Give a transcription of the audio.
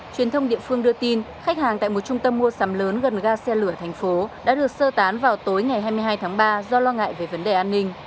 truyền thông địa phương đưa tin khách hàng tại một trung tâm mua sắm lớn gần ga xe lửa thành phố đã được sơ tán vào tối ngày hai mươi hai tháng ba do lo ngại về vấn đề an ninh